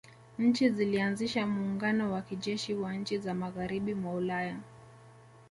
Nchi zilianzisha muungano wa kijeshi wa nchi za magharibi mwa Ulaya